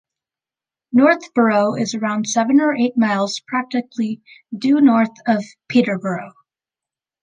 Northborough is around seven or eight miles practically due north of Peterborough.